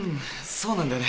そうなんだよね。